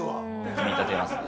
組み立てますね。